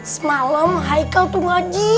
semalam haikal tuh ngaji